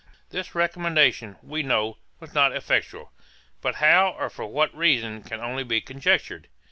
This recommendation, we know, was not effectual; but how, or for what reason, can only be conjectured.